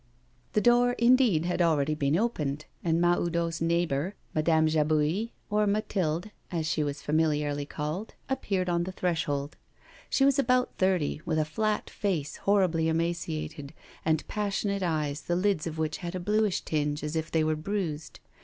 The door indeed had already been opened, and Mahoudeau's neighbour, Madame Jabouille, or Mathilde, as she was familiarly called, appeared on the threshold. She was about thirty, with a flat face horribly emaciated, and passionate eyes, the lids of which had a bluish tinge as if they were bruised.